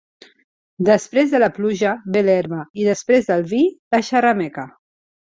Després de la pluja ve l'herba i després del vi, la xerrameca.